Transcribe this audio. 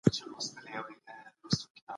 تاسي په اخیرت کي د چا له ملګرتیا مننه کوئ؟